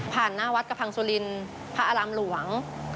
หน้าวัดกระพังสุรินทร์พระอารามหลวง